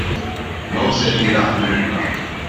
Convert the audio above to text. Non servirà a nulla.